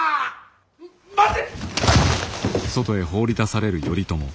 待て！